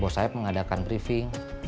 bos sayap mengadakan briefing